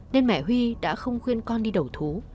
nên mẹ huy đã không khuyên con đi đầu thú